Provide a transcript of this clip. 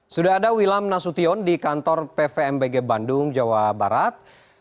sudah ada wilam nasution di kantor pvmbg bandung jawa barat